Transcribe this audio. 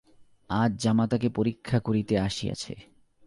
আজ জামাতাকে পরীক্ষা করিতে আসিয়াছে।